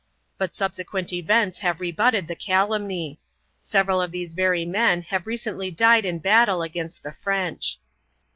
But subsequent events have rebutted the calumny. Several of these very men have recently died in battle against the French.